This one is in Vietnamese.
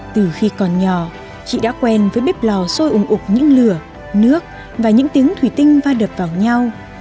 từ khi còn nhỏ chị đã quen với bếp lò xôi ủng ục những lửa nước và những tiếng thủy tinh va đập vào nhau